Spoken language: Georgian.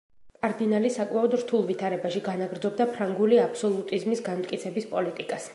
კარდინალი საკმაოდ რთულ ვითარებაში განაგრძობდა ფრანგული აბსოლუტიზმის განმტკიცების პოლიტიკას.